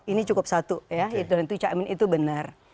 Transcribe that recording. ini cukup satu ya itu caimin itu benar